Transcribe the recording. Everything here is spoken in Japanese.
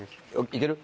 行ける？